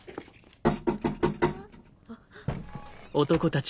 あっ。